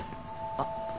あっ。